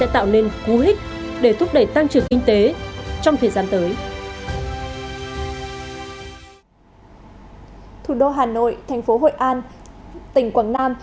dịch vụ sẽ giảm